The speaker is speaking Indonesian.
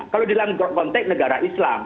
kalau di dalam konteks negara islam